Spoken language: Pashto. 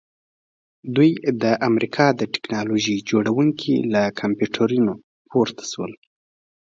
دوی د امریکا د ټیکنالوژۍ جوړونکي له کمپیوټرونو پورته شول